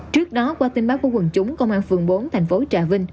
trước đó qua tin báo của quần chúng công an phường bốn thành phố trà vinh